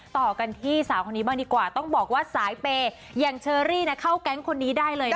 ต่อกันที่สาวคนนี้บ้างดีกว่าต้องบอกว่าสายเปย์อย่างเชอรี่เข้าแก๊งคนนี้ได้เลย